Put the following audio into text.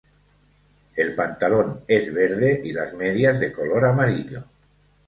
El pantalón es verde y las medias de color amarillo.